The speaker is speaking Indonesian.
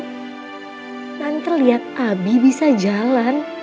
nanti lihat abi bisa jalan